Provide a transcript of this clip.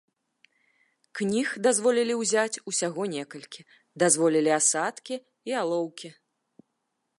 Кніг дазволілі ўзяць усяго некалькі, дазволілі асадкі і алоўкі.